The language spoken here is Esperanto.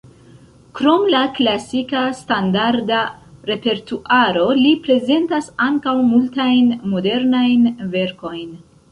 Krom la klasika standarda repertuaro, li prezentas ankaŭ multajn modernajn verkojn.